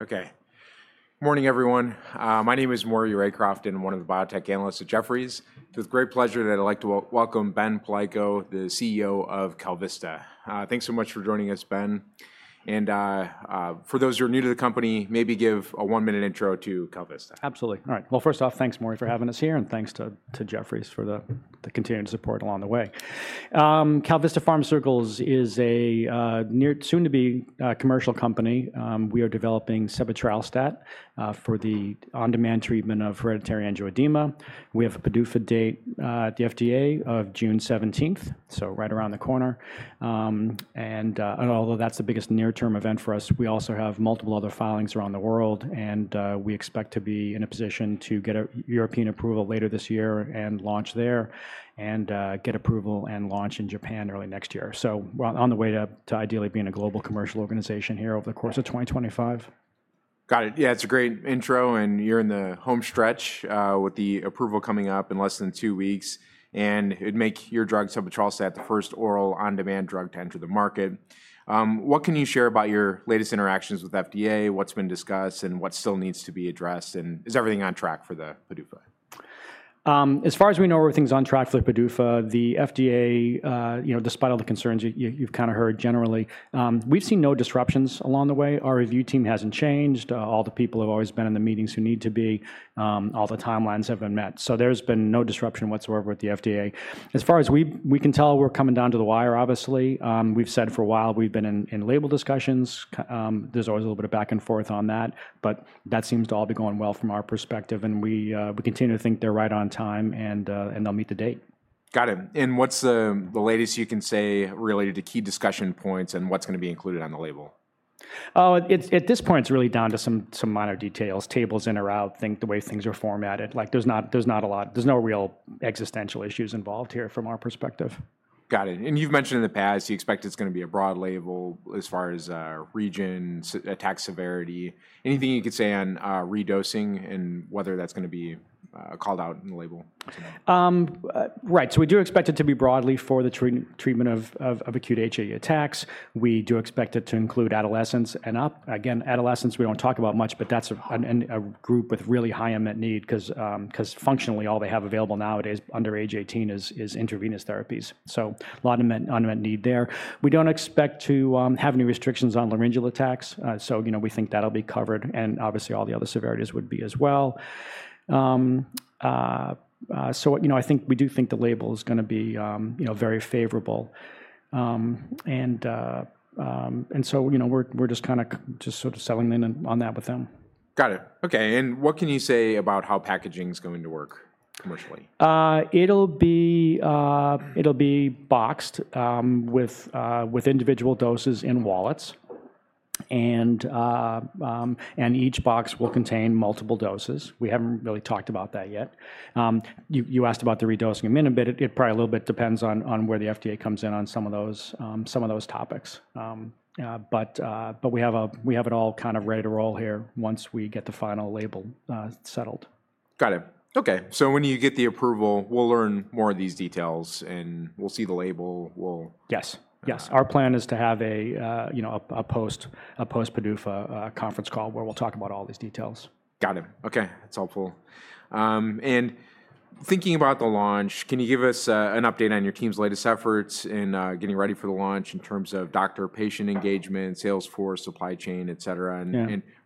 Okay. Morning, everyone. My name is Maury Raycroft, and I'm one of the biotech analysts at Jefferies. It's with great pleasure that I'd like to welcome Ben Palleiko, the CEO of KalVista. Thanks so much for joining us, Ben. And for those who are new to the company, maybe give a one-minute intro to KalVista. Absolutely. All right. First off, thanks, Maury, for having us here, and thanks to Jefferies for the continuing support along the way. KalVista Pharmaceuticals is a soon-to-be commercial company. We are developing sebetralstat for the on-demand treatment of hereditary angioedema. We have a PDUFA date at the FDA of June 17, so right around the corner. Although that is the biggest near-term event for us, we also have multiple other filings around the world, and we expect to be in a position to get European approval later this year and launch there, and get approval and launch in Japan early next year. We are on the way to ideally being a global commercial organization here over the course of 2025. Got it. Yeah, it's a great intro, and you're in the home stretch with the approval coming up in less than two weeks. It'd make your drug, sebetralstat, the first oral on-demand drug to enter the market. What can you share about your latest interactions with the FDA? What's been discussed, and what still needs to be addressed? Is everything on track for the PDUFA? As far as we know, everything's on track for the PDUFA. The FDA, despite all the concerns you've kind of heard generally, we've seen no disruptions along the way. Our review team hasn't changed. All the people have always been in the meetings who need to be. All the timelines have been met. There has been no disruption whatsoever with the FDA. As far as we can tell, we're coming down to the wire, obviously. We've said for a while we've been in label discussions. There's always a little bit of back and forth on that. That seems to all be going well from our perspective. We continue to think they're right on time, and they'll meet the date. Got it. What's the latest you can say related to key discussion points and what's going to be included on the label? Oh, at this point, it's really down to some minor details: tables in or out, the way things are formatted. There's not a lot, there's no real existential issues involved here from our perspective. Got it. You have mentioned in the past you expect it is going to be a broad label as far as region, attack severity. Anything you could say on redosing and whether that is going to be called out in the label? Right. We do expect it to be broadly for the treatment of acute HAE attacks. We do expect it to include adolescents and up. Again, adolescents, we do not talk about much, but that is a group with really high unmet need because functionally all they have available nowadays under age 18 is intravenous therapies. A lot of unmet need there. We do not expect to have any restrictions on laryngeal attacks. We think that will be covered. Obviously, all the other severities would be as well. I think we do think the label is going to be very favorable. We are just kind of just sort of settling in on that with them. Got it. Okay. What can you say about how packaging is going to work commercially? It'll be boxed with individual doses in wallets. Each box will contain multiple doses. We haven't really talked about that yet. You asked about the redosing a minute, but it probably a little bit depends on where the FDA comes in on some of those topics. We have it all kind of ready to roll here once we get the final label settled. Got it. Okay. So when you get the approval, we'll learn more of these details, and we'll see the label. Yes. Yes. Our plan is to have a post-PDUFA conference call where we'll talk about all these details. Got it. Okay. That's helpful. Thinking about the launch, can you give us an update on your team's latest efforts in getting ready for the launch in terms of doctor-patient engagement, Salesforce, supply chain, et cetera?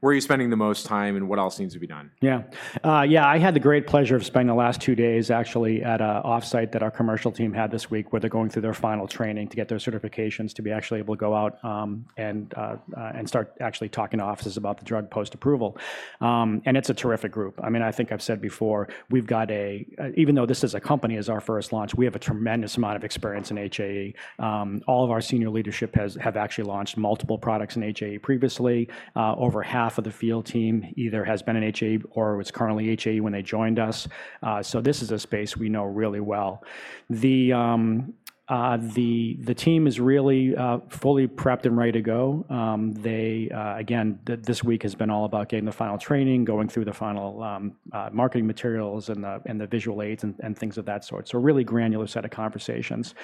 Where are you spending the most time, and what else needs to be done? Yeah. Yeah, I had the great pleasure of spending the last two days, actually, at an offsite that our commercial team had this week where they're going through their final training to get their certifications to be actually able to go out and start actually talking to offices about the drug post-approval. It's a terrific group. I mean, I think I've said before, even though this is a company as our first launch, we have a tremendous amount of experience in HAE. All of our senior leadership have actually launched multiple products in HAE previously. Over half of the field team either has been in HAE or was currently HAE when they joined us. This is a space we know really well. The team is really fully prepped and ready to go. Again, this week has been all about getting the final training, going through the final marketing materials and the visual aids and things of that sort. A really granular set of conversations.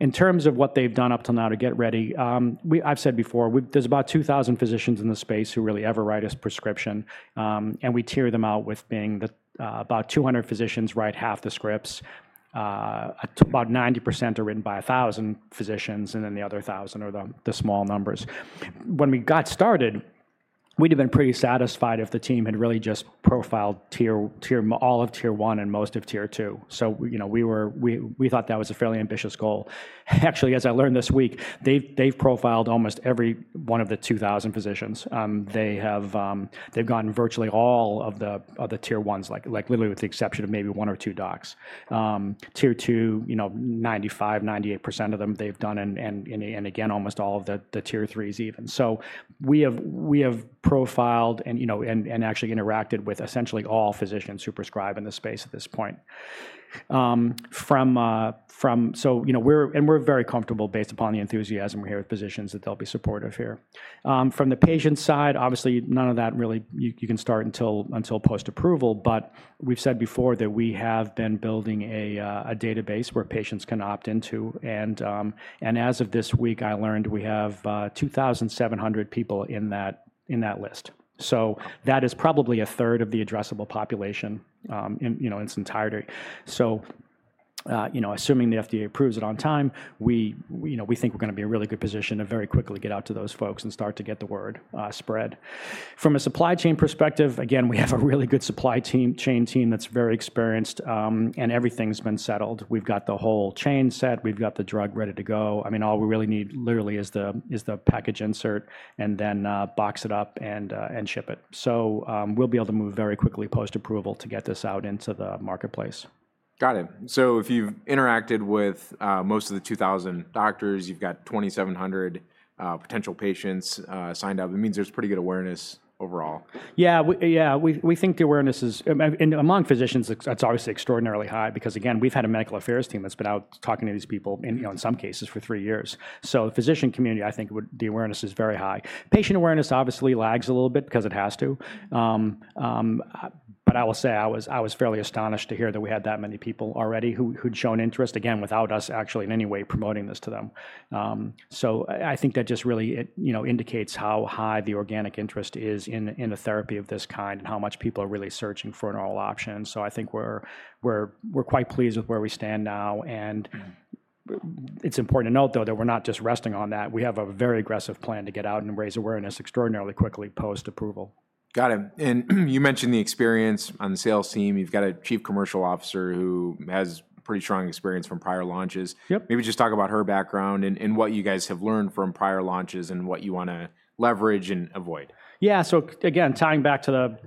In terms of what they've done up till now to get ready, I've said before, there's about 2,000 physicians in the space who really ever write a prescription. We tier them out with about 200 physicians writing half the scripts. About 90% are written by 1,000 physicians, and then the other 1,000 are the small numbers. When we got started, we'd have been pretty satisfied if the team had really just profiled all of tier one and most of tier two. We thought that was a fairly ambitious goal. Actually, as I learned this week, they've profiled almost every one of the 2,000 physicians. They've gotten virtually all of the tier ones, literally with the exception of maybe one or two docs. Tier two, 95%-98% of them they've done, and again, almost all of the tier threes even. We have profiled and actually interacted with essentially all physicians who prescribe in the space at this point. We're very comfortable based upon the enthusiasm we have with physicians that they'll be supportive here. From the patient side, obviously, none of that really you can start until post-approval. We've said before that we have been building a database where patients can opt into. As of this week, I learned we have 2,700 people in that list. That is probably a third of the addressable population in its entirety. Assuming the FDA approves it on time, we think we're going to be in a really good position to very quickly get out to those folks and start to get the word spread. From a supply chain perspective, again, we have a really good supply chain team that's very experienced, and everything's been settled. We've got the whole chain set. We've got the drug ready to go. I mean, all we really need literally is the package insert and then box it up and ship it. We'll be able to move very quickly post-approval to get this out into the marketplace. Got it. If you've interacted with most of the 2,000 doctors, you've got 2,700 potential patients signed up. It means there's pretty good awareness overall. Yeah. Yeah, we think the awareness is among physicians, it's obviously extraordinarily high because, again, we've had a medical affairs team that's been out talking to these people in some cases for three years. So the physician community, I think the awareness is very high. Patient awareness obviously lags a little bit because it has to. I will say I was fairly astonished to hear that we had that many people already who'd shown interest, again, without us actually in any way promoting this to them. I think that just really indicates how high the organic interest is in a therapy of this kind and how much people are really searching for an oral option. I think we're quite pleased with where we stand now. It's important to note, though, that we're not just resting on that. We have a very aggressive plan to get out and raise awareness extraordinarily quickly post-approval. Got it. You mentioned the experience on the sales team. You have a Chief Commercial Officer who has pretty strong experience from prior launches. Maybe just talk about her background and what you guys have learned from prior launches and what you want to leverage and avoid. Yeah. So again, tying back to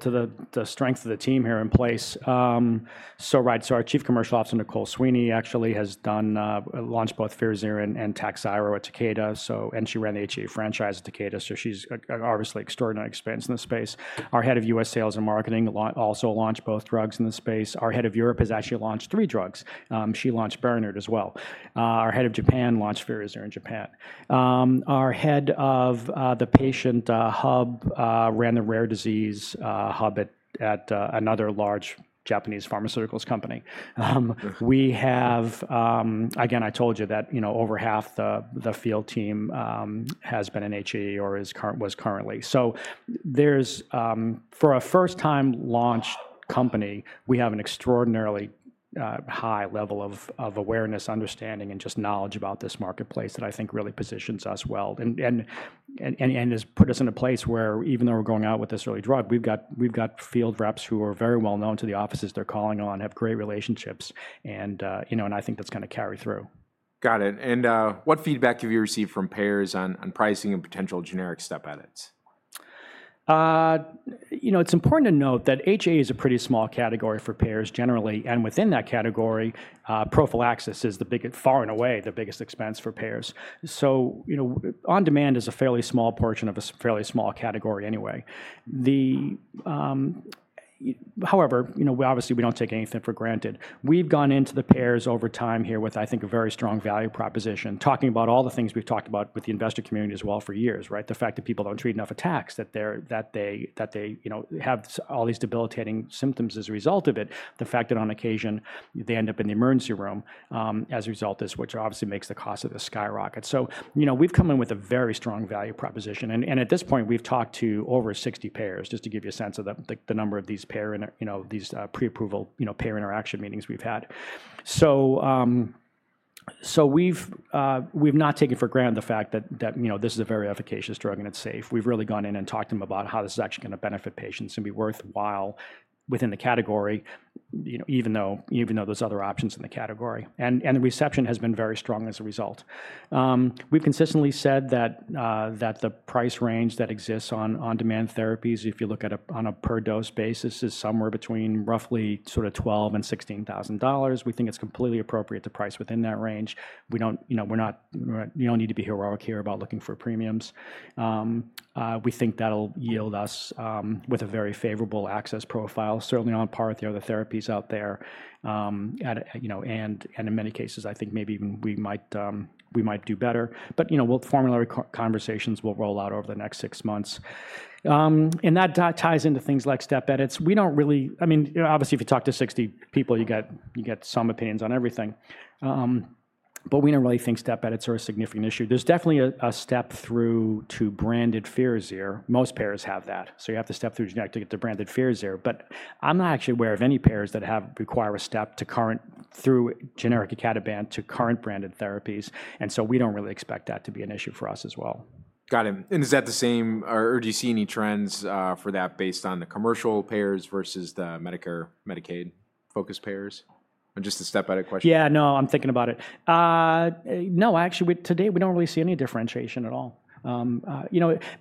the strength of the team here in place. Right. Our Chief Commercial Officer, Nicole Sweeney, actually has launched both FIRAZYR and TAKHZYRO with Takeda. She ran the HAE franchise at Takeda. She has obviously extraordinary experience in this space. Our head of U.S. sales and marketing also launched both drugs in this space. Our head of Europe has actually launched three drugs. She launched BERINERT as well. Our head of Japan launched FIRAZYR in Japan. Our head of the patient hub ran the rare disease hub at another large Japanese pharmaceuticals company. We have, again, I told you that over half the field team has been in HAE or is currently. For a first-time launch company, we have an extraordinarily high level of awareness, understanding, and just knowledge about this marketplace that I think really positions us well and has put us in a place where even though we're going out with this early drug, we've got field reps who are very well known to the offices they're calling on, have great relationships, and I think that's going to carry through. Got it. What feedback have you received from payers on pricing and potential generic step edits? It's important to note that HAE is a pretty small category for payers generally. Within that category, prophylaxis is the biggest, far and away the biggest expense for payers. On-demand is a fairly small portion of a fairly small category anyway. However, obviously, we don't take anything for granted. We've gone into the payers over time here with, I think, a very strong value proposition, talking about all the things we've talked about with the investor community as well for years, right? The fact that people don't treat enough attacks, that they have all these debilitating symptoms as a result of it, the fact that on occasion they end up in the emergency room as a result of this, which obviously makes the cost of this skyrocket. We've come in with a very strong value proposition. At this point, we've talked to over 60 payers, just to give you a sense of the number of these pre-approval payer interaction meetings we've had. We've not taken for granted the fact that this is a very efficacious drug and it's safe. We've really gone in and talked to them about how this is actually going to benefit patients and be worthwhile within the category, even though there's other options in the category. The reception has been very strong as a result. We've consistently said that the price range that exists on on-demand therapies, if you look at it on a per-dose basis, is somewhere between roughly sort of $12,000-$16,000. We think it's completely appropriate to price within that range. We don't need to be heroic here about looking for premiums. We think that'll yield us with a very favorable access profile, certainly on par with the other therapies out there. In many cases, I think maybe we might do better. Formulary conversations will roll out over the next six months. That ties into things like step edits. I mean, obviously, if you talk to 60 people, you get some opinions on everything. We do not really think step edits are a significant issue. There is definitely a step through to branded FIRAZYR. Most payers have that. You have to step through to get to branded FIRAZYR. I am not actually aware of any payers that require a step through generic icatibant to current branded therapies. We do not really expect that to be an issue for us as well. Got it. Is that the same, or do you see any trends for that based on the commercial payers versus the Medicare, Medicaid-focused payers? Just to step out of question. Yeah. No, I'm thinking about it. No, actually, today we don't really see any differentiation at all.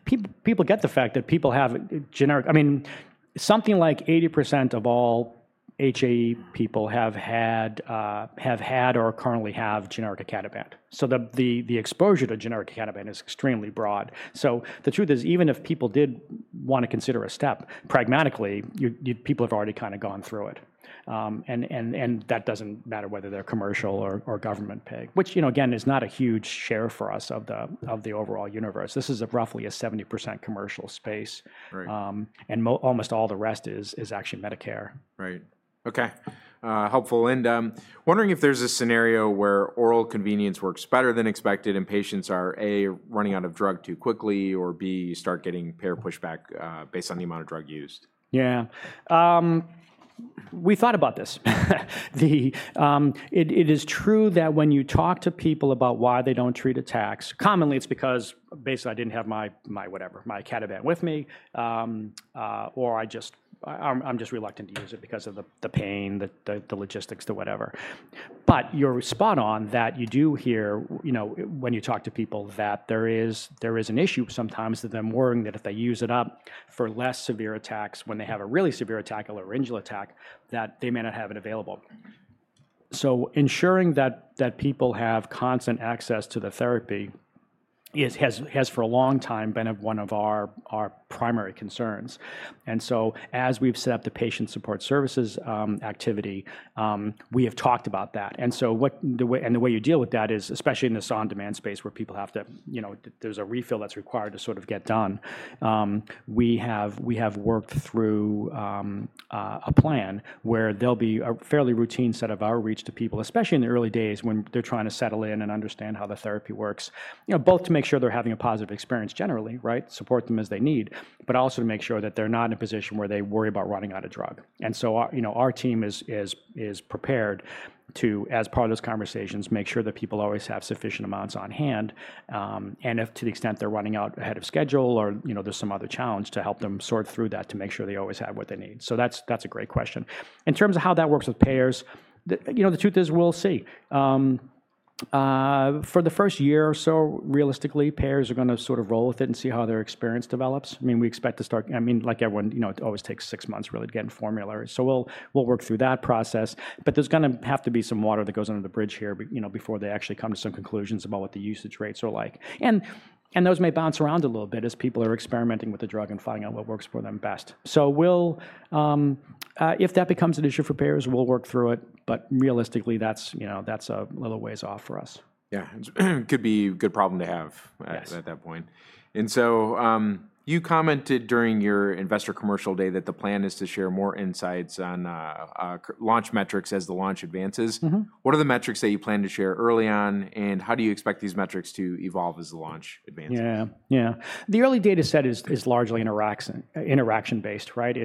People get the fact that people have generic—I mean, something like 80% of all HAE people have had or currently have generic icatibant. So the exposure to generic icatibant is extremely broad. The truth is, even if people did want to consider a step, pragmatically, people have already kind of gone through it. That does not matter whether they're commercial or government pay, which, again, is not a huge share for us of the overall universe. This is roughly a 70% commercial space. Almost all the rest is actually Medicare. Right. Okay. Helpful. Is there a scenario where oral convenience works better than expected and patients are, A, running out of drug too quickly, or B, you start getting payer pushback based on the amount of drug used? Yeah. We thought about this. It is true that when you talk to people about why they do not treat attacks, commonly it is because basically I did not have my whatever, my icatibant with me, or I am just reluctant to use it because of the pain, the logistics, the whatever. You are spot on that you do hear when you talk to people that there is an issue sometimes that they are worrying that if they use it up for less severe attacks when they have a really severe attack, a laryngeal attack, that they may not have it available. Ensuring that people have constant access to the therapy has for a long time been one of our primary concerns. As we have set up the patient support services activity, we have talked about that. The way you deal with that is, especially in this on-demand space where people have to, there's a refill that's required to sort of get done. We have worked through a plan where there will be a fairly routine set of outreach to people, especially in the early days when they're trying to settle in and understand how the therapy works, both to make sure they're having a positive experience generally, right? Support them as they need, but also to make sure that they're not in a position where they worry about running out of drug. Our team is prepared to, as part of those conversations, make sure that people always have sufficient amounts on hand. If, to the extent they're running out ahead of schedule or there's some other challenge, to help them sort through that to make sure they always have what they need. That's a great question. In terms of how that works with payers, the truth is we'll see. For the first year or so, realistically, payers are going to sort of roll with it and see how their experience develops. I mean, we expect to start—I mean, like everyone, it always takes six months really to get formulary. We'll work through that process. There's going to have to be some water that goes under the bridge here before they actually come to some conclusions about what the usage rates are like. Those may bounce around a little bit as people are experimenting with the drug and finding out what works for them best. If that becomes an issue for payers, we'll work through it. Realistically, that's a little ways off for us. Yeah. It could be a good problem to have at that point. You commented during your investor commercial day that the plan is to share more insights on launch metrics as the launch advances. What are the metrics that you plan to share early on, and how do you expect these metrics to evolve as the launch advances? Yeah. Yeah. The early data set is largely interaction-based, right?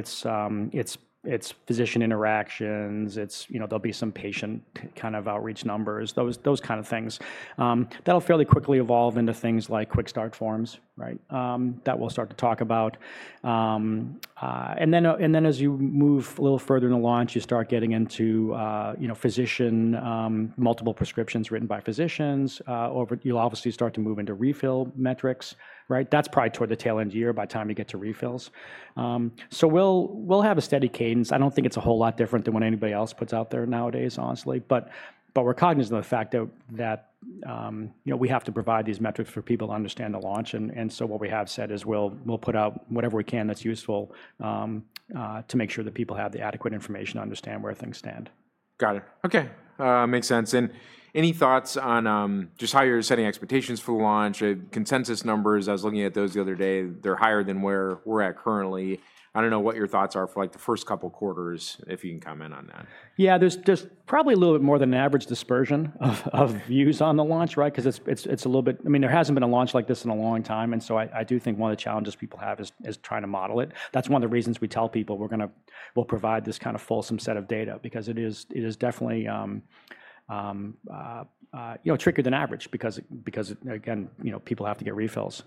It's physician interactions. There'll be some patient kind of outreach numbers, those kind of things. That'll fairly quickly evolve into things like quick start forms, right? That we'll start to talk about. As you move a little further in the launch, you start getting into multiple prescriptions written by physicians. You'll obviously start to move into refill metrics, right? That's probably toward the tail end of the year by the time you get to refills. We’ll have a steady cadence. I don't think it's a whole lot different than what anybody else puts out there nowadays, honestly. We're cognizant of the fact that we have to provide these metrics for people to understand the launch. What we have said is we'll put out whatever we can that's useful to make sure that people have the adequate information to understand where things stand. Got it. Okay. Makes sense. Any thoughts on just how you're setting expectations for launch? Consensus numbers, I was looking at those the other day. They're higher than where we're at currently. I don't know what your thoughts are for the first couple of quarters, if you can comment on that. Yeah. There's probably a little bit more than an average dispersion of views on the launch, right? Because it's a little bit—I mean, there hasn't been a launch like this in a long time. I do think one of the challenges people have is trying to model it. That's one of the reasons we tell people we'll provide this kind of fulsome set of data because it is definitely trickier than average because, again, people have to get refills.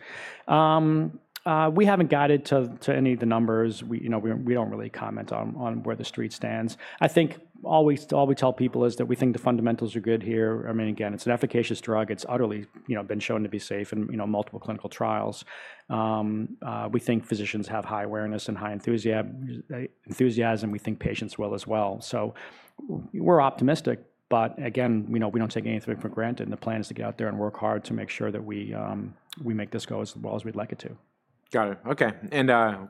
We haven't guided to any of the numbers. We don't really comment on where the street stands. I think all we tell people is that we think the fundamentals are good here. I mean, again, it's an efficacious drug. It's utterly been shown to be safe in multiple clinical trials. We think physicians have high awareness and high enthusiasm. We think patients will as well. We're optimistic. We do not take anything for granted. The plan is to get out there and work hard to make sure that we make this go as well as we would like it to. Got it. Okay.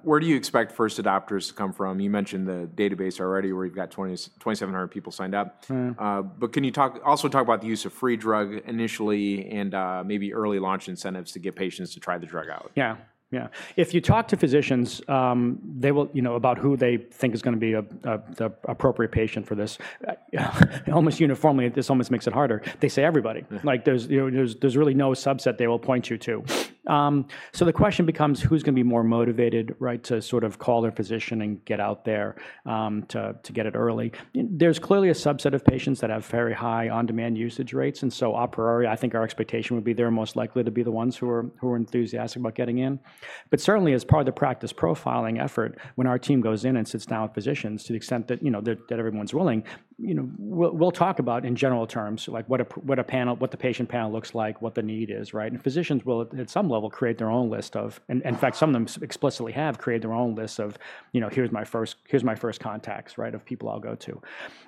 Where do you expect first adopters to come from? You mentioned the database already where you've got 2,700 people signed up. Can you also talk about the use of free drug initially and maybe early launch incentives to get patients to try the drug out? Yeah. Yeah. If you talk to physicians about who they think is going to be the appropriate patient for this, almost uniformly, this almost makes it harder. They say everybody. There is really no subset they will point you to. The question becomes who is going to be more motivated to sort of call their physician and get out there to get it early. There is clearly a subset of patients that have very high on-demand usage rates. A priori, I think our expectation would be they are most likely to be the ones who are enthusiastic about getting in. Certainly, as part of the practice profiling effort, when our team goes in and sits down with physicians to the extent that everyone is willing, we will talk about in general terms what the patient panel looks like, what the need is, right? Physicians will, at some level, create their own list of—in fact, some of them explicitly have created their own list of, "Here's my first contacts," right, of people I'll go to.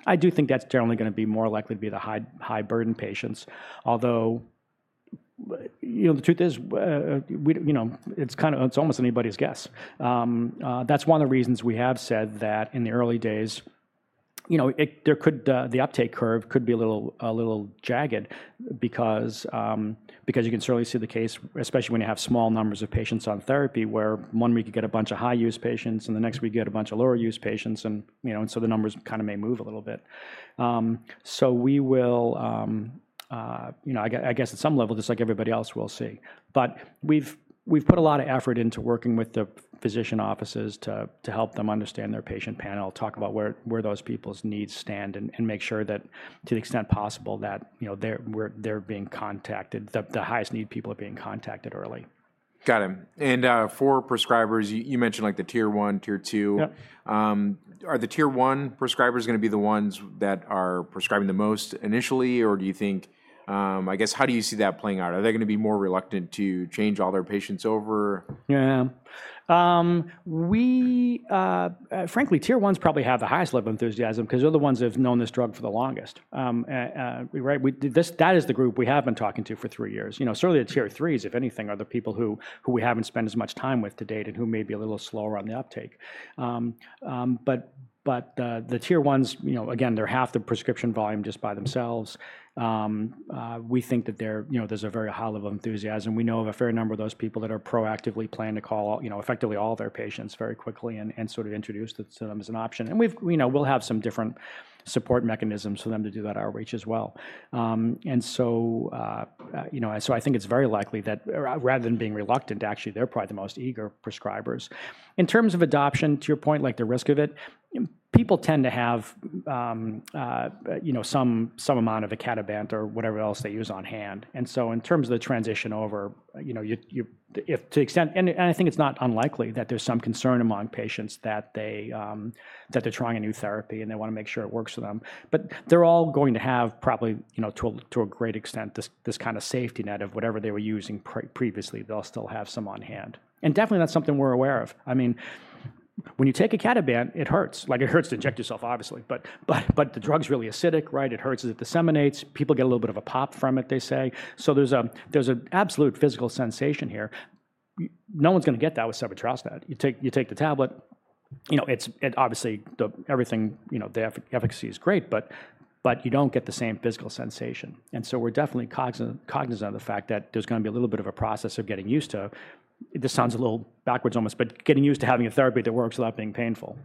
I do think that's generally going to be more likely to be the high-burden patients. Although the truth is, it's almost anybody's guess. That is one of the reasons we have said that in the early days, the uptake curve could be a little jagged because you can certainly see the case, especially when you have small numbers of patients on therapy where, one, we could get a bunch of high-use patients, and the next week you get a bunch of lower-use patients. The numbers kind of may move a little bit. We will, I guess, at some level, just like everybody else, we'll see. We have put a lot of effort into working with the physician offices to help them understand their patient panel, talk about where those people's needs stand, and make sure that to the extent possible that they are being contacted, the highest-need people are being contacted early. Got it. For prescribers, you mentioned the tier one, tier two. Are the tier one prescribers going to be the ones that are prescribing the most initially, or do you think, I guess, how do you see that playing out? Are they going to be more reluctant to change all their patients over? Yeah. Frankly, tier ones probably have the highest level of enthusiasm because they're the ones that have known this drug for the longest, right? That is the group we have been talking to for three years. Certainly, the tier threes, if anything, are the people who we haven't spent as much time with to date and who may be a little slower on the uptake. The tier ones, again, they're half the prescription volume just by themselves. We think that there's a very high level of enthusiasm. We know of a fair number of those people that are proactively planning to call effectively all their patients very quickly and sort of introduce them as an option. We will have some different support mechanisms for them to do that outreach as well. I think it is very likely that rather than being reluctant, actually, they are probably the most eager prescribers. In terms of adoption, to your point, like the risk of it, people tend to have some amount of icatibant or whatever else they use on hand. In terms of the transition over, to the extent, and I think it is not unlikely that there is some concern among patients that they are trying a new therapy and they want to make sure it works for them. They are all going to have probably to a great extent this kind of safety net of whatever they were using previously. They will still have some on hand. Definitely, that is something we are aware of. I mean, when you take icatibant, it hurts. It hurts to inject yourself, obviously. The drug is really acidic, right? It hurts as it disseminates. People get a little bit of a pop from it, they say. There is an absolute physical sensation here. No one's going to get that with sebetralstat. You take the tablet. Obviously, everything, the efficacy is great, but you do not get the same physical sensation. We are definitely cognizant of the fact that there is going to be a little bit of a process of getting used to. This sounds a little backwards almost, but getting used to having a therapy that works without being painful.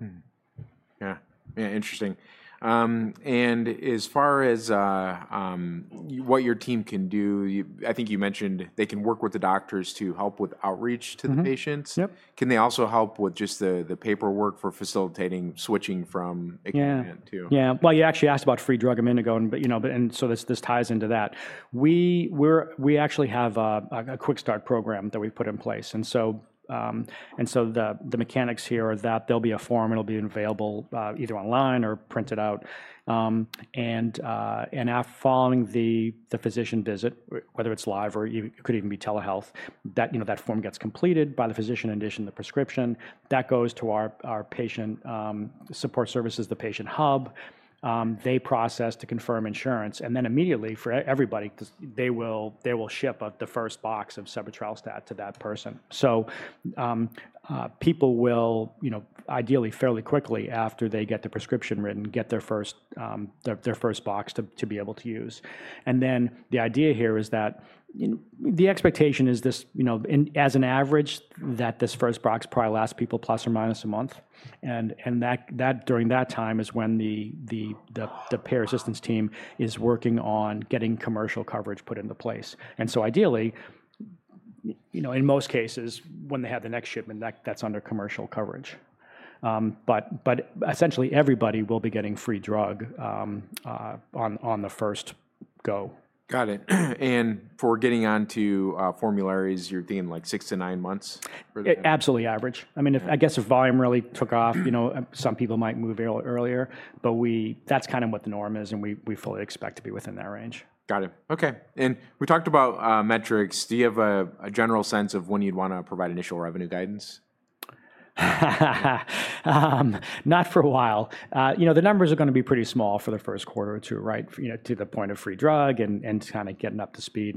Yeah. Yeah. Interesting. As far as what your team can do, I think you mentioned they can work with the doctors to help with outreach to the patients. Can they also help with just the paperwork for facilitating switching from acai to? Yeah. Yeah. You actually asked about free drug ImmunoGen. This ties into that. We actually have a quick start program that we've put in place. The mechanics here are that there will be a form. It will be available either online or printed out. Following the physician visit, whether it is live or it could even be telehealth, that form gets completed by the physician, in addition to the prescription. That goes to our patient support services, the patient hub. They process to confirm insurance. Immediately, for everybody, they will ship the first box of sebetralstat to that person. People will, ideally, fairly quickly after they get the prescription written, get their first box to be able to use. The idea here is that the expectation is this, as an average, that this first box probably lasts people plus or minus a month. During that time is when the payer assistance team is working on getting commercial coverage put into place. Ideally, in most cases, when they have the next shipment, that's under commercial coverage. Essentially, everybody will be getting free drug on the first go. Got it. For getting onto formularies, you're thinking like six months-nine months? Absolutely average. I mean, I guess if volume really took off, some people might move earlier. That is kind of what the norm is, and we fully expect to be within that range. Got it. Okay. We talked about metrics. Do you have a general sense of when you'd want to provide initial revenue guidance? Not for a while. The numbers are going to be pretty small for the first quarter or two, right, to the point of free drug and kind of getting up to speed.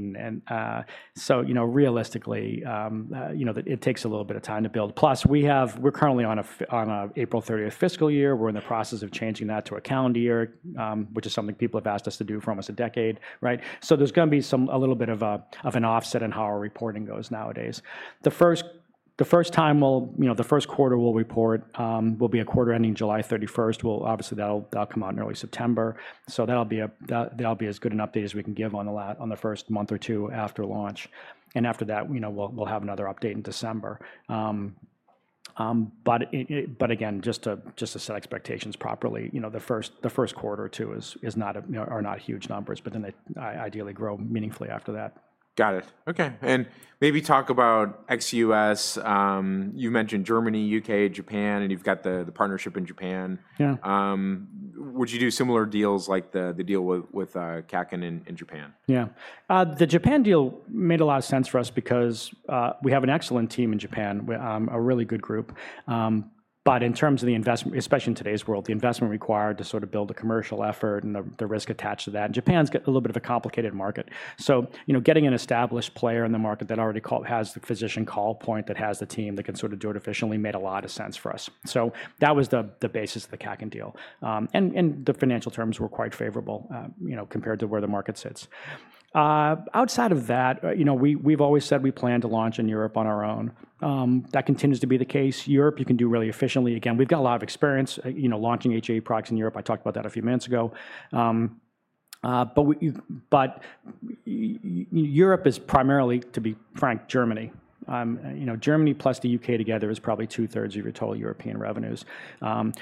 Realistically, it takes a little bit of time to build. Plus, we're currently on an April 30 fiscal year. We're in the process of changing that to a calendar year, which is something people have asked us to do for almost a decade, right? There is going to be a little bit of an offset in how our reporting goes nowadays. The first quarter we'll report will be a quarter ending July 31. Obviously, that'll come out in early September. That will be as good an update as we can give on the first month or two after launch. After that, we'll have another update in December. Again, just to set expectations properly, the first quarter or two are not huge numbers, but then they ideally grow meaningfully after that. Got it. Okay. Maybe talk about XUS. You mentioned Germany, U.K., Japan, and you've got the partnership in Japan. Would you do similar deals like the deal with Kaken in Japan? Yeah. The Japan deal made a lot of sense for us because we have an excellent team in Japan, a really good group. In terms of the investment, especially in today's world, the investment required to sort of build a commercial effort and the risk attached to that, Japan's a little bit of a complicated market. Getting an established player in the market that already has the physician call point, that has the team that can sort of do it efficiently made a lot of sense for us. That was the basis of the Kaken deal. The financial terms were quite favorable compared to where the market sits. Outside of that, we've always said we plan to launch in Europe on our own. That continues to be the case. Europe, you can do really efficiently. Again, we've got a lot of experience launching HAE products in Europe. I talked about that a few minutes ago. Europe is primarily, to be frank, Germany. Germany plus the U.K. together is probably two-thirds of your total European revenues.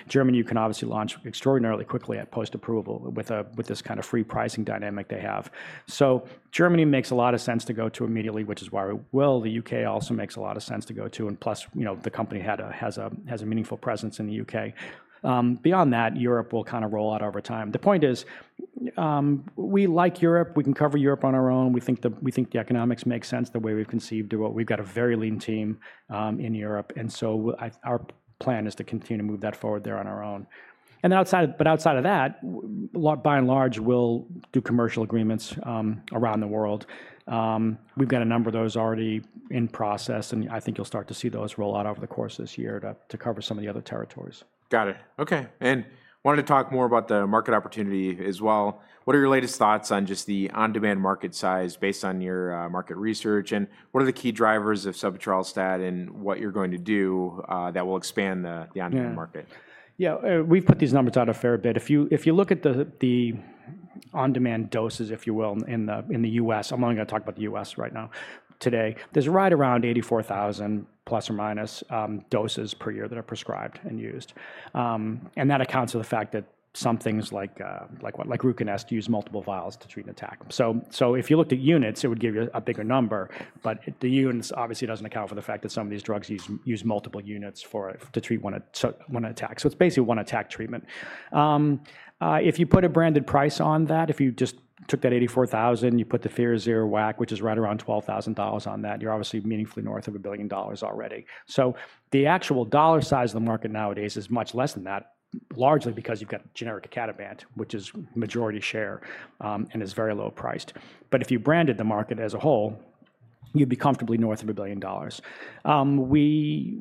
Germany, you can obviously launch extraordinarily quickly at post-approval with this kind of free pricing dynamic they have. Germany makes a lot of sense to go to immediately, which is why we will. The U.K. also makes a lot of sense to go to. Plus, the company has a meaningful presence in the U.K. Beyond that, Europe will kind of roll out over time. The point is, we like Europe. We can cover Europe on our own. We think the economics make sense the way we've conceived it. We've got a very lean team in Europe. Our plan is to continue to move that forward there on our own. Outside of that, by and large, we'll do commercial agreements around the world. We've got a number of those already in process. I think you'll start to see those roll out over the course of this year to cover some of the other territories. Got it. Okay. I wanted to talk more about the market opportunity as well. What are your latest thoughts on just the on-demand market size based on your market research? What are the key drivers of sebetralstat and what you're going to do that will expand the on-demand market? Yeah. We've put these numbers out a fair bit. If you look at the on-demand doses, if you will, in the U.S., I'm only going to talk about the U.S. right now today. There's right around 84,000 plus or minus doses per year that are prescribed and used. That accounts for the fact that some things like RUCONEST use multiple vials to treat an attack. If you looked at units, it would give you a bigger number. The units obviously do not account for the fact that some of these drugs use multiple units to treat one attack. It is basically one attack treatment. If you put a branded price on that, if you just took that 84,000, you put the FIRAZYR WAC, which is right around $12,000 on that, you're obviously meaningfully north of a billion dollars already. The actual dollar size of the market nowadays is much less than that, largely because you've got generic icatibant, which is majority share and is very low priced. If you branded the market as a whole, you'd be comfortably north of a billion dollars. We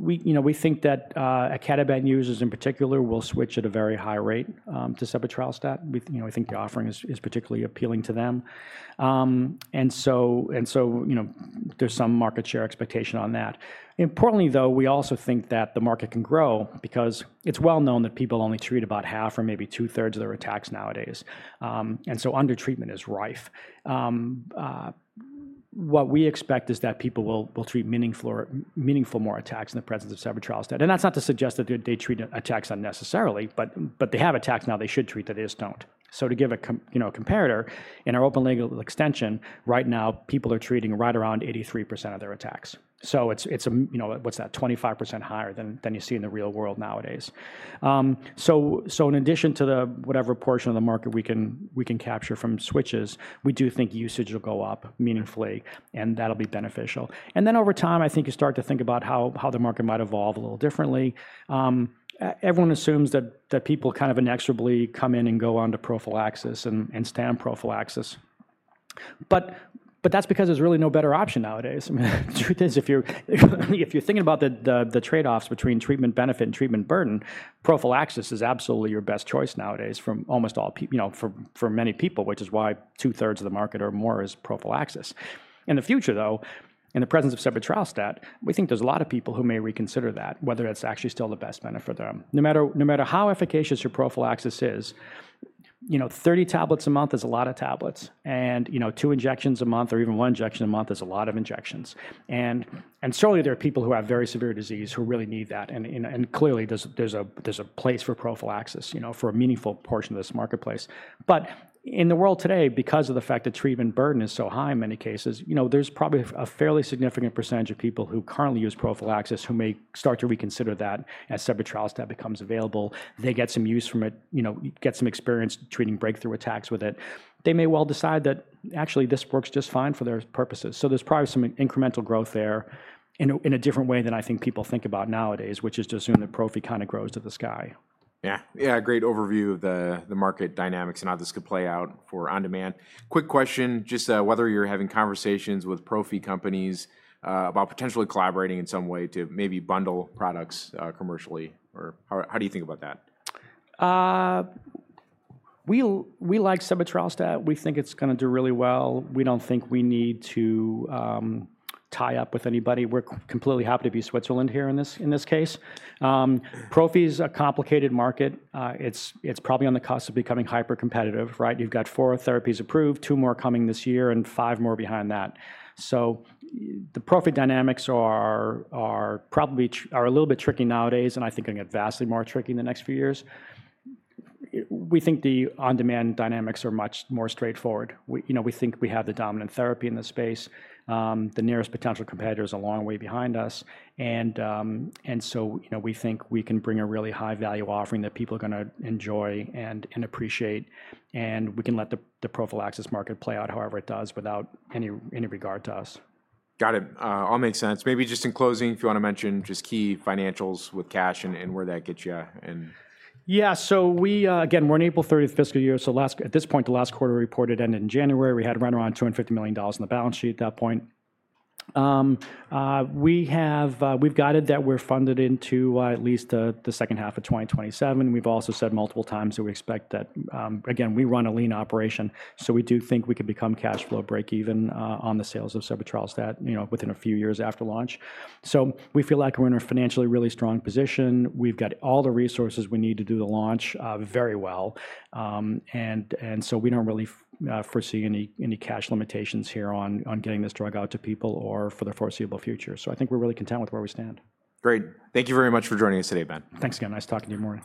think that icatibant users in particular will switch at a very high rate to sebetralstat. We think the offering is particularly appealing to them, and so there's some market share expectation on that. Importantly, though, we also think that the market can grow because it's well known that people only treat about half or maybe two-thirds of their attacks nowadays, and so undertreatment is rife. What we expect is that people will treat meaningfully more attacks in the presence of sebetralstat. That is not to suggest that they treat attacks unnecessarily, but they have attacks now they should treat that they just do not. To give a comparator, in our open label extension right now, people are treating right around 83% of their attacks. It is, what is that, 25% higher than you see in the real world nowadays. In addition to the whatever portion of the market we can capture from switches, we do think usage will go up meaningfully, and that will be beneficial. Over time, I think you start to think about how the market might evolve a little differently. Everyone assumes that people kind of inexorably come in and go on to prophylaxis and stay on prophylaxis. That is because there is really no better option nowadays. I mean, the truth is, if you're thinking about the trade-offs between treatment benefit and treatment burden, prophylaxis is absolutely your best choice nowadays for many people, which is why two-thirds of the market or more is prophylaxis. In the future, though, in the presence of sebetralstat, we think there's a lot of people who may reconsider that, whether it's actually still the best benefit for them. No matter how efficacious your prophylaxis is, 30 tablets a month is a lot of tablets. Two injections a month or even one injection a month is a lot of injections. Certainly, there are people who have very severe disease who really need that. Clearly, there's a place for prophylaxis for a meaningful portion of this marketplace. In the world today, because of the fact that treatment burden is so high in many cases, there's probably a fairly significant percentage of people who currently use prophylaxis who may start to reconsider that as sebetralstat becomes available. They get some use from it, get some experience treating breakthrough attacks with it. They may well decide that actually this works just fine for their purposes. There's probably some incremental growth there in a different way than I think people think about nowadays, which is to assume that prophy kind of grows to the sky. Yeah. Yeah. Great overview of the market dynamics and how this could play out for on-demand. Quick question, just whether you're having conversations with prophy companies about potentially collaborating in some way to maybe bundle products commercially, or how do you think about that? We like sebetralstat. We think it's going to do really well. We don't think we need to tie up with anybody. We're completely happy to be Switzerland here in this case. Prophy is a complicated market. It's probably on the cusp of becoming hyper-competitive, right? You've got four therapies approved, two more coming this year, and five more behind that. The prophy dynamics are probably a little bit tricky nowadays, and I think going to get vastly more tricky in the next few years. We think the on-demand dynamics are much more straightforward. We think we have the dominant therapy in the space. The nearest potential competitor is a long way behind us. We think we can bring a really high-value offering that people are going to enjoy and appreciate. We can let the prophylaxis market play out however it does without any regard to us. Got it. All makes sense. Maybe just in closing, if you want to mention just key financials with cash and where that gets you. Yeah. Again, we're in April 30 fiscal year. At this point, the last quarter reported ended in January. We had right around $250 million in the balance sheet at that point. We've guided that we're funded into at least the second half of 2027. We've also said multiple times that we expect that, again, we run a lean operation. We do think we could become cash flow break-even on the sales of sebetralstat within a few years after launch. We feel like we're in a financially really strong position. We've got all the resources we need to do the launch very well. We don't really foresee any cash limitations here on getting this drug out to people or for the foreseeable future. I think we're really content with where we stand. Great. Thank you very much for joining us today, Ben. Thanks again. Nice talking to you Maury.